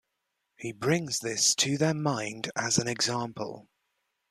He brings this to their mind as an example.